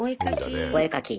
お絵描き。